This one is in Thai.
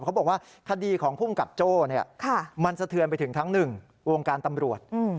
เขาบอกว่าคดีของภูมิกับโจ้มันสะเทือนไปถึงทั้ง๑วงการตำรวจ